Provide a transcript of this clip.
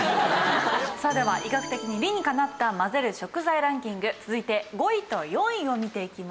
さあでは医学的に理にかなった混ぜる食材ランキング続いて５位と４位を見ていきましょう。